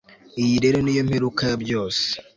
iyi rero niyo mperuka ya byose